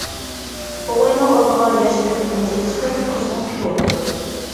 بوۋاينىڭ ئالدىغا ياش بىر كېلىنچەك چىقىپ قىزغىن كۈتۈۋاپتۇ.